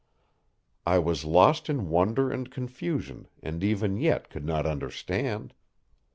I was lost in wonder and confusion, and even yet could not understand.